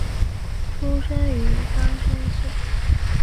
出身于冈山县。